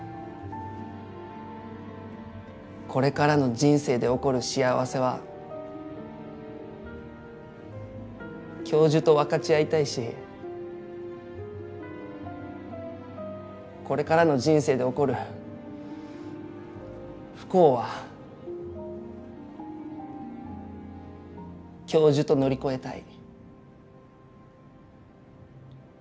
これからの人生で起こる幸せは教授と分かち合いたいしこれからの人生で起こる不幸は教授と乗り越えたい。